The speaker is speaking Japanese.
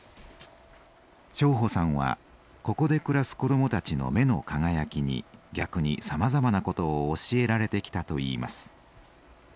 荘保さんはここで暮らす子どもたちの目の輝きに逆にさまざまなことを教えられてきたと言います。